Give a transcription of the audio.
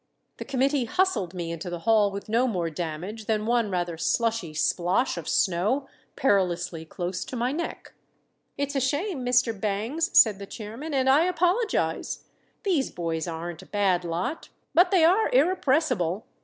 The committee hustled me into the hall with no more damage than one rather slushy splosh of snow perilously close to my neck. "It's a shame, Mr. Bangs," said the chairman, "and I apologize. These boys aren't a bad lot; but they are irrepressible.